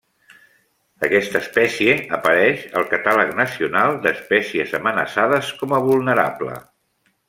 Aquesta espècie apareix al Catàleg Nacional d'Espècies Amenaçades com a vulnerable.